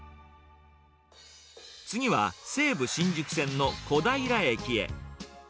次は、西武新宿線の小平駅へ。